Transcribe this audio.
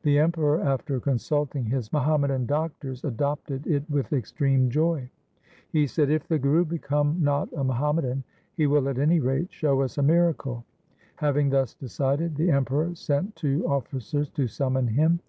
The Emperor, after consulting his Muhammadan doctors, adopted it with extreme joy. He said, ' If the Guru become not a Muhammadan, he will at any rate show us a miracle.' Having thus decided the Emperor sent two officers to summon him.